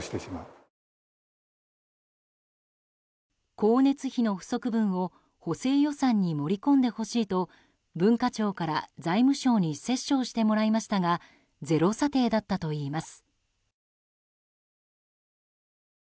光熱費の不足分を補正予算に盛り込んでほしいと文化庁から財務省に折衝してもらいましたがゼロ査定だったといいます。